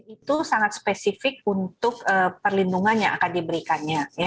itu sangat spesifik untuk perlindungan yang akan diberikannya